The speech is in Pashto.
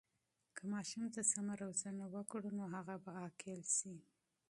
که ماشوم ته سمه روزنه وکړو، نو هغه به عاقل سي.